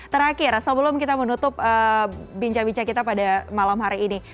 terakhir sebelum kita menutup bincang bincang kita pada malam hari ini